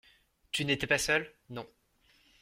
Tu n'étais pas seul ? Non.